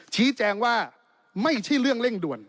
ชี้แจงว่าไม่ใช่เรื่องเร่งด่วน